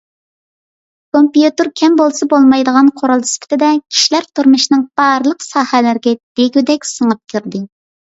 كومپيۇتېر كەم بولسا بولمايدىغان قورال سۈپىتىدە، كىشىلەر تۇرمۇشىنىڭ بارلىق ساھەلىرىگە دېگۈدەك سىڭىپ كىردى.